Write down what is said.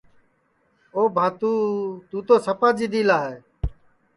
او بھاتُو تُوں تو سپا جِدی لا ہے